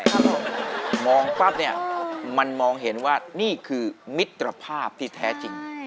ครับผมมองปั๊บเนี่ยมันมองเห็นว่านี่คือมิตรภาพที่แท้จริง